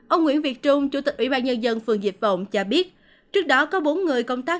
ông nguyễn việt trung chủ tịch ủy ban nhân dân phường dịch vọng cho biết trước đó có bốn người công tác